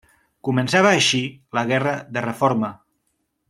Començava així la guerra de Reforma.